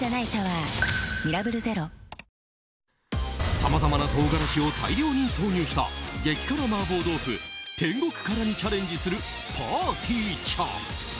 さまざまな唐辛子を大量に投入した激辛麻婆豆腐・天獄辛にチャレンジするぱーてぃーちゃん。